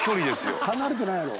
鵑覆離れてないやろ！